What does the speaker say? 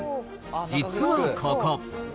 実はここ。